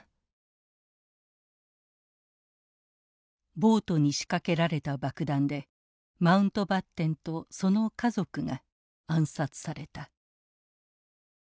ボートに仕掛けられた爆弾でマウントバッテンとその家族が暗殺された。